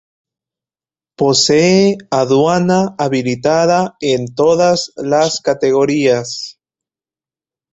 Posee Aduana habilitada en todas las categorías.